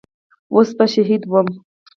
اوس به شهيد وم.